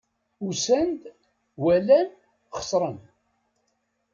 Usan-d, walan, xeṣren.